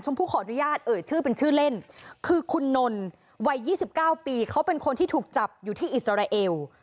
ผู้ขออนุญาตเอ่ยชื่อเป็นชื่อเล่นคือคุณนนวัย๒๙ปีเขาเป็นคนที่ถูกจับอยู่ที่อิสราเอล